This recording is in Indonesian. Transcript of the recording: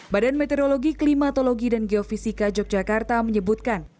badan meteorologi klimatologi dan geofisika yogyakarta menyebutkan